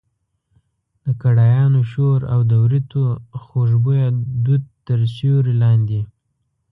د کړایانو شور او د وریتو خوږ بویه دود تر سیوري لاندې.